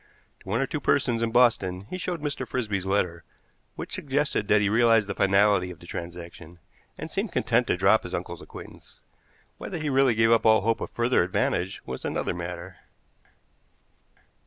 To one or two persons in Boston he showed Mr. Frisby's letter, which suggested that he realized the finality of the transaction, and seemed content to drop his uncle's acquaintance. Whether he really gave up all hope of further advantage was another matter.